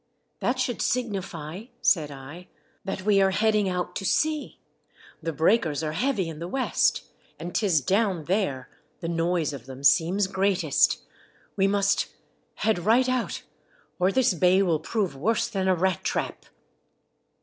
That should signify," said I, " that we are heading out to sea. The breakers are heavy in the west, and 'tis down there the noise of them seems greatest. We must head right out, or this bay will prove worse than a rat trap."